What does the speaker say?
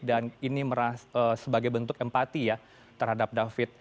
dan ini sebagai bentuk empati ya terhadap david